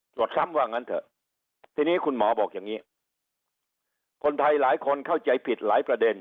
ซ้ำว่างั้นเถอะทีนี้คุณหมอบอกอย่างนี้คนไทยหลายคนเข้าใจผิดหลายประเด็น